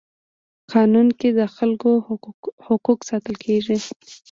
قانون کي د خلکو حقوق ساتل کيږي.